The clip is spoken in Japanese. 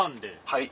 はい。